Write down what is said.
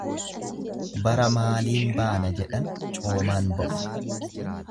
Bara maaliin baana jedhan coomaan ba'u.